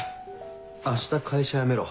明日会社辞めろ。